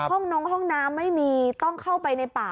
ห้องนงห้องน้ำไม่มีต้องเข้าไปในป่า